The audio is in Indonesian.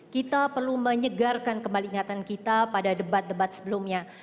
kita perlu menyegarkan kembali ingatan kita pada debat debat sebelumnya